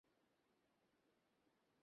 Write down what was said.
তিনি ছিলেন বিশেষ পারদর্শী।